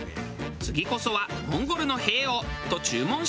次こそはモンゴルの「へぇ」を！と注文したのが。